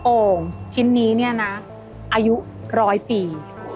โอ่งชิ้นนี้เนี่ยนะอายุร้อยปี